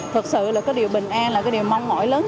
thực sự là điều bình an là điều mong ngỏi